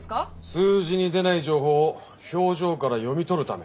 数字に出ない情報を表情から読み取るため。